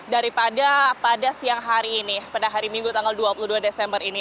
daripada pada siang hari ini pada hari minggu tanggal dua puluh dua desember ini